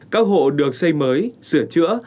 các hộ được xây mới sửa chữa